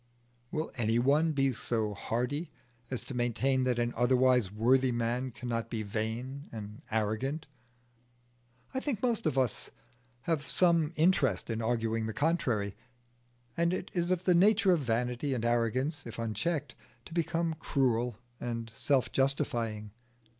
Will any one be so hardy as to maintain that an otherwise worthy man cannot be vain and arrogant? I think most of us have some interest in arguing the contrary. And it is of the nature of vanity and arrogance, if unchecked, to become cruel and self justifying.